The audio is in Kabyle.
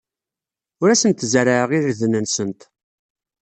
Ur asent-zerrɛeɣ irden-nsent.